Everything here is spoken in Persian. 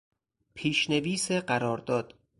پیشنویس قرارداد